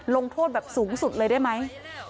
ลงโทษแบบสูงสุดเลยได้ไหม